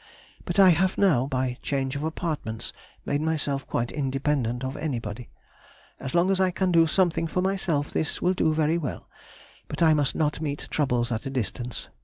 But I have now, by change of apartments, made myself quite independent of anybody. As long as I can do something for myself this will do very well; but I must not meet troubles at a distance.